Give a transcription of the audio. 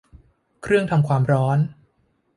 เครื่องทำความร้อน